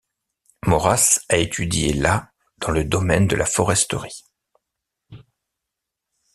Morasse a étudié la dans le domaine de la foresterie.